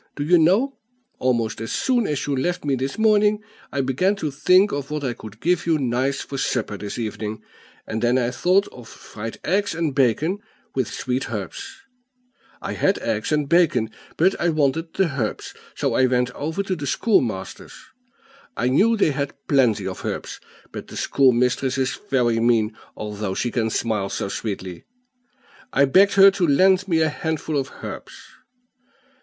Do you know, almost as soon as you left me this morning, I began to think of what I could give you nice for supper this evening, and then I thought of fried eggs and bacon, with sweet herbs; I had eggs and bacon, but I wanted the herbs; so I went over to the schoolmaster's: I knew they had plenty of herbs, but the schoolmistress is very mean, although she can smile so sweetly. I begged her to lend me a handful of herbs.